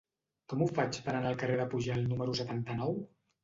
Com ho faig per anar al carrer de Pujalt número setanta-nou?